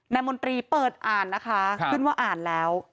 มนตรีเปิดอ่านนะคะขึ้นว่าอ่านแล้ว